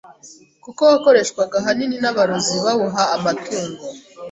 kuko wakoreshwaga ahanini n’aborozi bawuha amatungo